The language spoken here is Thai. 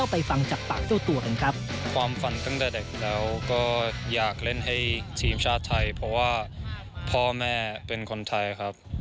เพราะว่าพ่อแม่เป็นคนไทยครับ